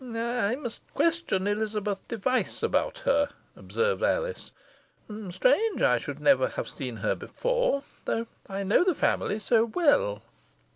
"I must question Elizabeth Device about her," observed Alice. "Strange, I should never have seen her before, though I know the family so well."